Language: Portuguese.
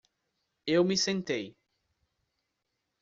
Eu me sentei.